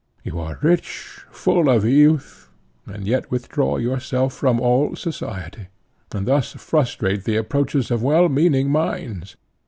You are rich, full of youth, and yet withdraw yourself from all society, and thus frustrate the approaches of well meaning minds.